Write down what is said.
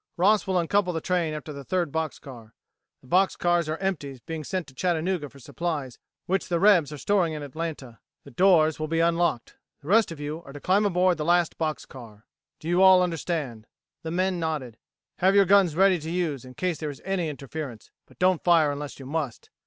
Ross will uncouple the train after the third box car. The box cars are empties being sent to Chattanooga for supplies which the rebs are storing in Atlanta. The doors will be unlocked. The rest of you are to climb aboard the last box car. Do all of you understand?" The men nodded. "Have your guns ready to use in case there is any interference, but don't fire unless you must.